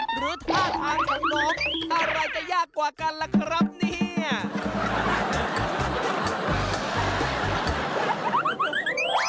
หรือท่าทางของนกอะไรจะยากกว่ากันล่ะครับเนี่ย